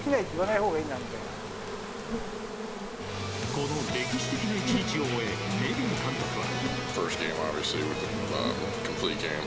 この歴史的な１日を終えネビン監督は。